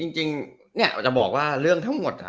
จริงจะบอกว่าเรื่องทั้งหมด